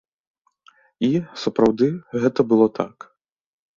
І, сапраўды, гэта было так.